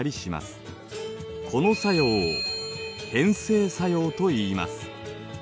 この作用を変成作用といいます。